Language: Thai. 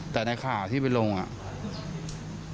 แต่ในข่าวที่ไปลงอ่ะ